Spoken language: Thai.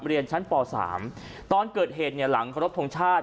เรียนชั้นป๓ตอนเกิดเหตุเนี่ยหลังเคารพทงชาติ